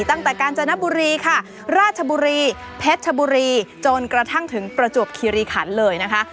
กาญจนบุรีค่ะราชบุรีเพชรชบุรีจนกระทั่งถึงประจวบคิริขันเลยนะคะ